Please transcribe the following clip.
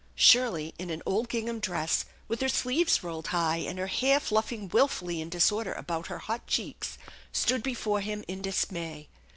Shirley in an old gingham dress, with her sleeves rolled high and her hair fluffing wilfully in disorder about her hot cheeks, stood before him in dismay.